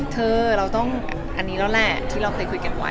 เธอเราต้องอันนี้แล้วแหละที่เราเคยคุยกันไว้